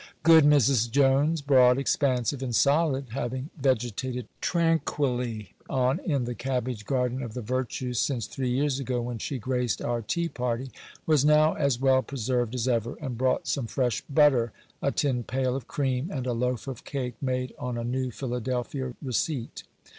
Good Mrs. Jones, broad, expansive, and solid, having vegetated tranquilly on in the cabbage garden of the virtues since three years ago when she graced our tea party, was now as well preserved as ever, and brought some fresh butter, a tin pail of cream, and a loaf of cake made on a new Philadelphia receipt.